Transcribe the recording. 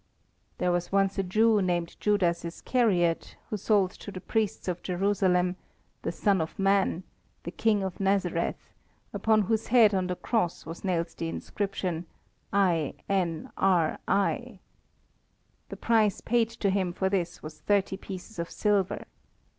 There was once a Jew named Judas Iscariot, who sold to the Priests of Jerusalem "The Son of Man," the "King of Nazareth," above whose head on the cross was nailed the inscription "I.N.R.I." The price paid to him for this was thirty pieces of silver.